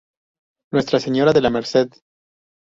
Nuestra Señora de la Merced